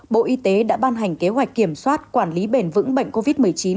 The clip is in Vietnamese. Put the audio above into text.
bộ y tế đã ban hành kế hoạch kiểm soát quản lý bền vững bệnh covid một mươi chín